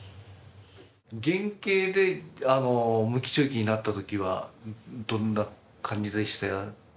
減刑で無期懲役になったときはどんな感じでした？